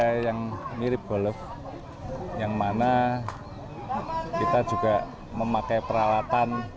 ada yang mirip golf yang mana kita juga memakai peralatan